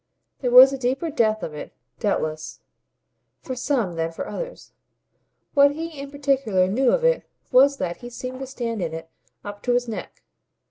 There was a deeper depth of it, doubtless, for some than for others; what he in particular knew of it was that he seemed to stand in it up to his neck.